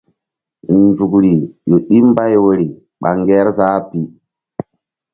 Nzukri ƴo ɗi mbay woyri ɓa Ŋgerzah pi.